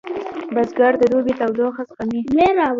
بزګر د دوبي تودوخه زغمي